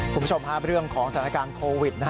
คุณผู้ชมครับเรื่องของสถานการณ์โควิด